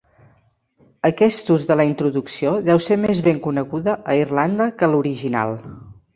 Aquest ús de la introducció deu ser més ben coneguda a Irlanda que l'original.